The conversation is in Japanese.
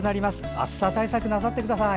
暑さ対策なさってください。